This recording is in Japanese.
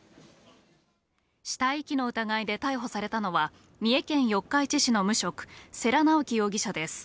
死体遺棄の疑いで逮捕されたのは、三重県四日市市の無職、世羅直樹容疑者です。